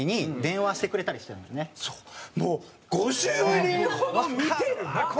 もう５０人ほど見てる中で。